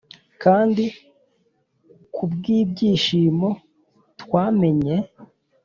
kandi kubwibyishimo twamenye,